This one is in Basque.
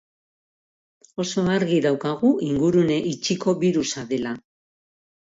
Oso argi daukagu ingurune itxiko birusa dela.